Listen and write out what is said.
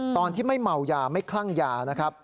ตอนที่ไม่เมายาไม่คลั่งยานะครับ